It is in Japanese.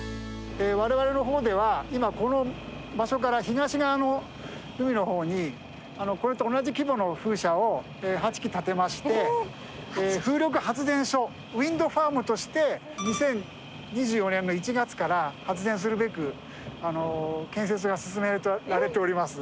我々の方では今この場所から東側の海の方にこれと同じ規模の風車を８基建てまして風力発電所ウインドファームとして２０２４年の１月から発電するべく建設が進められております。